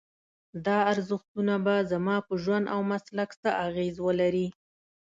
دا ارزښتونه به زما په ژوند او مسلک څه اغېز ولري؟